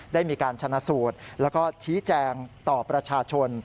ได้มีการชนะสูตรแล้วก็ชี้แจงต่อประชาชน